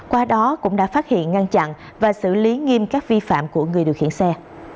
qua đó cũng đã phát hiện ngăn chặn và xử lý nghiêm các vi phạm của người điều khiển xe